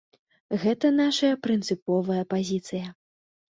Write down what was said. Гэта нашая прынцыповая пазіцыя.